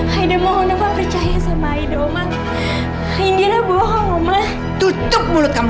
aida mohon apa percaya sama aida oma indira bohong oma tutup mulut kamu